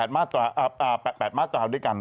๘มาตราด้วยกัน